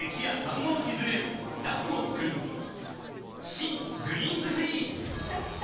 新「グリーンズフリー」きたきた！